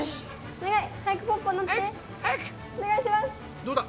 どうだ？